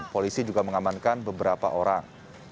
polisi juga mengamankan beberapa orang